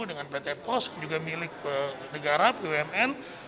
dengan pt pos juga milik negara bumn